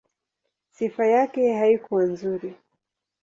Sifa yake haikuwa nzuri.